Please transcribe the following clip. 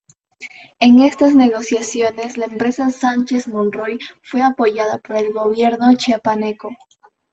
En estas negociaciones, la empresa Sánchez Monroy fue apoyada por el gobierno chiapaneco.